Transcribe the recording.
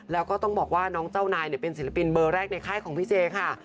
แล้วก็ต้องบอกว่าน้องเจ้านายเป็นศิลปินเบอร์แรกในค่ายของพี่เจค่ะ